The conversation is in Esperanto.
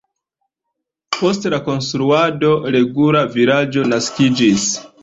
Post la rekonstruado regula vilaĝo naskiĝis.